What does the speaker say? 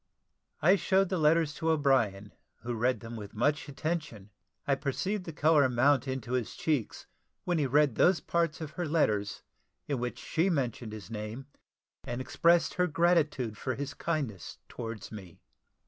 I showed the letters to O'Brien who read them with much attention. I perceived the colour mount into his cheeks, when he read those parts of her letters in which she mentioned his name, and expressed her gratitude for his kindness towards me.